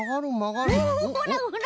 ほらほら！